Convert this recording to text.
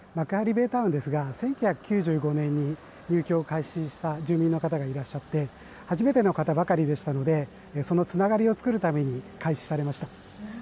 ベイタウンですが１９９５年に入居を開始した住民の方がいらっしゃって初めての方ばかりでしたのでそのつながりを作るために開始されました。